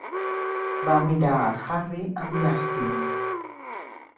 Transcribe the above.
Va mirar a Harry amb llàstima.